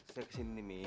saya kesini mi